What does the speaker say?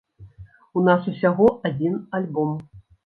У нас усяго адзін альбом.